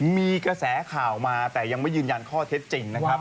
มีกระแสข่าวมาแต่ยังไม่ยืนยันข้อเท็จจริงนะครับ